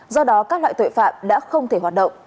do đó các loại tội phạm đã không thể hoạt động